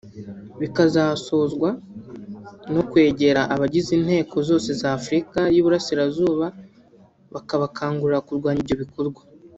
bikazasozwa no kwegera abagize inteko zose z’Afurika y’Uburasirazuba babakangurira kurwanya ibyo bikorwa